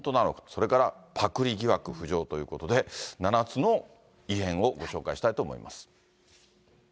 それから、パクり疑惑浮上ということで、７つの異変をご紹介したいと思います。